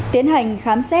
tiến hành khám xét